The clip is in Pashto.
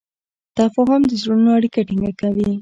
تفاهم د زړونو اړیکه ټینګه کوي.